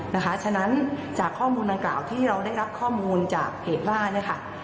ฉะนั้นจากข้อมูลดังกล่าวที่เราได้รับข้อมูลจากเพจบ้านเนี่ยค่ะ